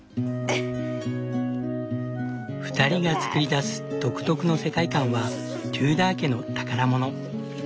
２人がつくり出す独特の世界観はテューダー家の宝物。